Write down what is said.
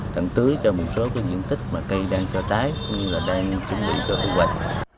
tặng tưới cho một số diện tích mà cây đang cho trái không như là đang chuẩn bị cho thương vật